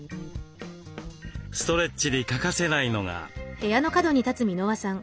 ストレッチに欠かせないのが。